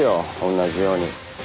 同じように。